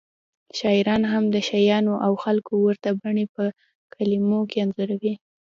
شاعران هم د شیانو او خلکو ورته بڼې په کلمو کې انځوروي